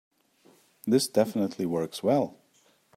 This definitely works well.